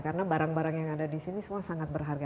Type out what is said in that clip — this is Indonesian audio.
karena barang barang yang ada disini semua sangat berharga